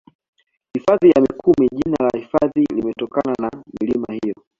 Hifadhi ya Mikumi jina la hifadhi limetokana na milima hiyo